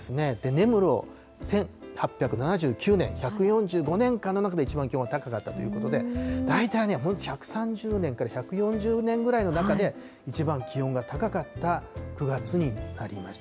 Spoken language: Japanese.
根室、１８７９年、１４５年間の中でいちばん気温が高かったということで、大体ね、１３０年から１４０年ぐらいの中で、一番気温が高かった９月になりました。